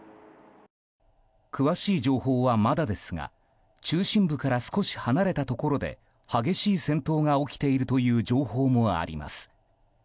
詳しい情報はまだですが中心部から少し離れたところで激しい戦闘が起きているという情報もあります。